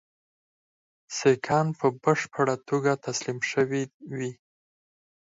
سیکهان په بشپړه توګه تسلیم شوي وي.